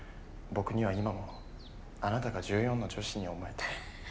僕には今もあなたが１４の女子に思えて。